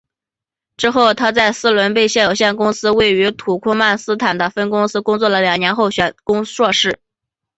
之后她在斯伦贝谢有限公司位于土库曼斯坦的分公司工作了两年后选攻硕士。